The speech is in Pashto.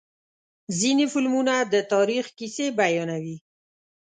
ځینې فلمونه د تاریخ کیسې بیانوي.